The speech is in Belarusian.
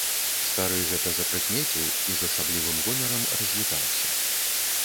Стары гэта запрыкмеціў і з асаблівым гонарам развітаўся.